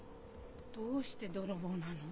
どうして泥棒なの？